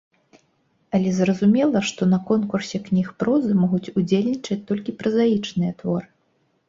Але зразумела, што на конкурсе кніг прозы могуць удзельнічаць толькі празаічныя творы.